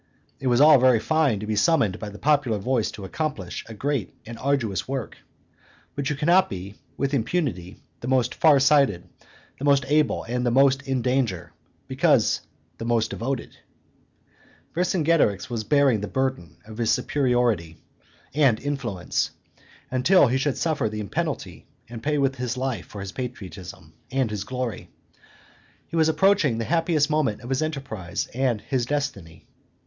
It is all very fine to be summoned by the popular voice to accomplish a great and arduous work; but you cannot be, with impunity, the most far sighted, the most able, and the most in danger, because the most devoted. Vercingetorix was bearing the burden of his superiority and influence, until he should suffer the penalty and pay with his life for his patriotism and his glory. He was approaching the happiest moment of his enterprise and his destiny.